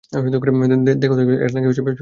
দেখো, দেখো এদের, এরা নাকি বেচবে কনডম?